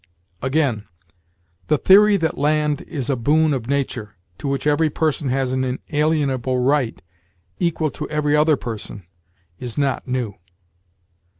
Again: "The theory that land ... is a boon of Nature, to which every person has an inalienable right equal to every other person, is not new."